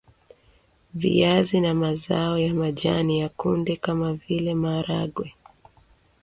viazi na mazao ya jamii ya kunde kama vile maharagwe.